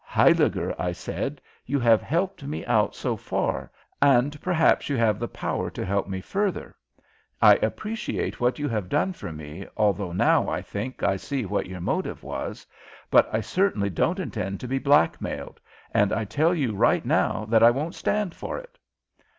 "Huyliger," I said, "you have helped me out so far, and perhaps you have the power to help me further. I appreciate what you have done for me, although now, I think, I see what your motive was, but I certainly don't intend to be blackmailed, and I tell you right now that I won't stand for it!"